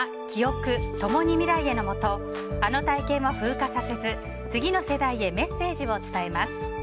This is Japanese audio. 「キオク、ともに未来へ。」のもと、あの体験を風化させず次の世代へメッセージを伝えます。